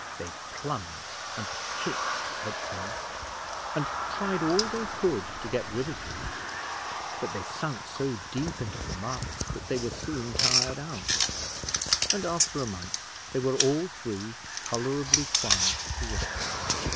They plunged and kicked at first, and tried all they could to get rid of him, but they sunk so deep into the muck that they were soon tired out; and after a month, they were all three tolerably quiet to ride.